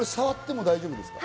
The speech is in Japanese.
触っても大丈夫ですか？